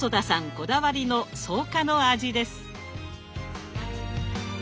こだわりの草加の味です。